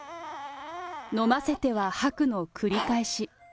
飲ませては吐くの繰り返し。